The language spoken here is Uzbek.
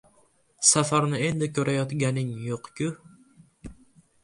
Safarni endi ko‘rayotganing yo‘q-ku.